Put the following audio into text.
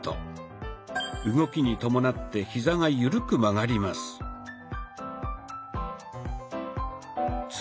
動きに伴ってヒザが緩く曲がります。